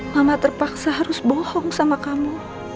mama terpaksa harus bohong sama kamu